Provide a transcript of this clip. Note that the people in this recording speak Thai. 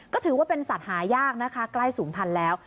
ก็ถือว่าเป็นสัตว์หายากนะคะใกล้ศูนย์พันธุ์แล้ว